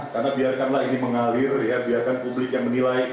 karena biarkanlah ini mengalir biarkan publik yang menilai